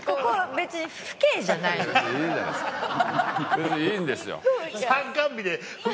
別にいいんですよ。